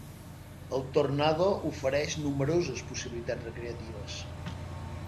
El tornado ofereix nombroses possibilitats recreatives.